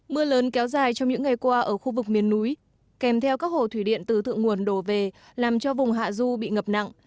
mưa lớn kéo dài trong những ngày qua ở khu vực miền núi kèm theo các hồ thủy điện từ thượng nguồn đổ về làm cho vùng hạ du bị ngập nặng